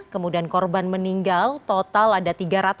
kemudian korban meninggal total ada tiga ratus delapan belas